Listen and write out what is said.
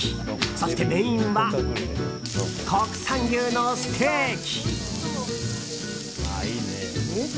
そして、メインは国産牛のステーキ。